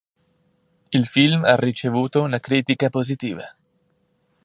Il film ha ricevuto una critica positiva.